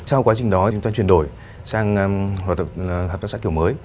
sau quá trình đó chúng ta chuyển đổi sang hợp tác xã kiểu mới